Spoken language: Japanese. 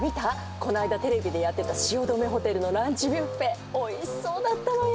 この間テレビでやってた汐留ホテルのランチビュッフェ美味しそうだったわよ。